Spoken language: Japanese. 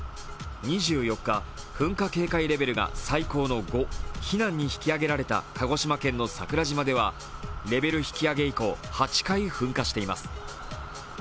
２４日、噴火警戒レベルが最高の５「避難」に引き上げられた鹿児島県の桜島では、レベル引き上げ以降８回噴火しています。